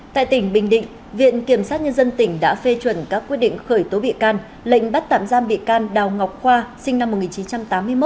tại tỉnh bình định viện kiểm sát nhân dân tỉnh đã phê chuẩn các quyết định khởi tố bị can lệnh bắt tạm giam bị can đào ngọc khoa sinh năm một nghìn chín trăm tám mươi một